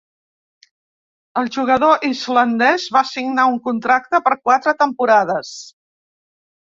El jugador islandès va signar un contracte per quatre temporades.